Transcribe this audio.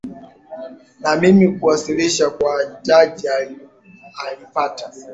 na mimi kuwasilisha kwa jaji alupata